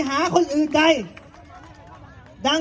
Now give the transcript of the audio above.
สวัสดีครับ